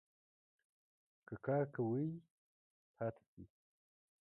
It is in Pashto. که کار کوی ؟ پاته سئ